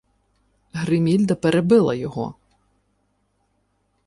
Гримільда перебила його: